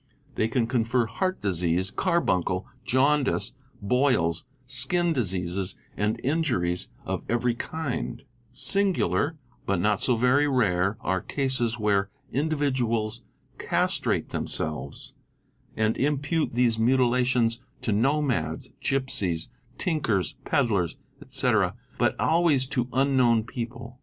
They can confer heart disease, carbuncle, jaundice, boils, skin diseases and injuries of every kind, ;| Singular, but not so very rare, are cases where individuals castrate themselves and impute these mutilations to nomads, gypsies, tinkers, pedlars, &c., but always to unknown people.